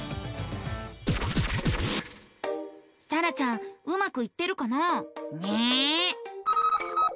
さらちゃんうまくいってるかな？ね。